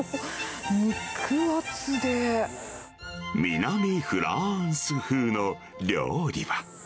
南フランス風の料理は。